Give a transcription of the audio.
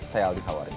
saya aldi kawarin